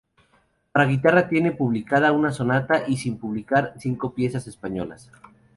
Para guitarra tiene publicada una Sonata y sin publicar Cinco piezas españolas.